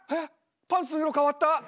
パンツの色変わった！